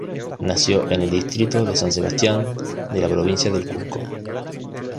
Nació en el distrito de San Sebastián de la Provincia del Cusco.